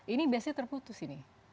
ini biasanya terputus ini